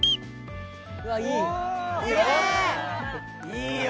「いいよ！」